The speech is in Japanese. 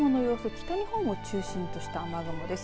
北日本を中心とした雨雲です。